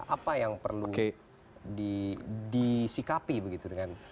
apa yang perlu disikapi begitu dengan